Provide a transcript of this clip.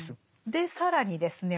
で更にですね